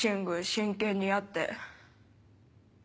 真剣にやって。